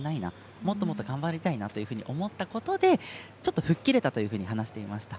もっともっと頑張りたいなと思ったことでちょっと吹っ切れたと話していました。